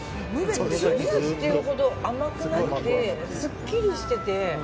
ジュースっていうほど甘くなくてすっきりしてて。